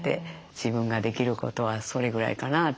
自分ができることはそれぐらいかなって。